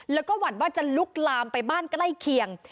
แล้วก็หวั่นว่าจะลุกลามไปบ้านใกล้เคียง